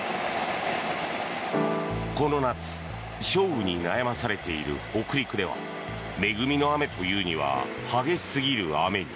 この夏、少雨に悩まされている北陸では恵みの雨というには激しすぎる雨に。